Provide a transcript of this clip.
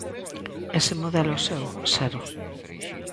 Ese modelo seu, cero.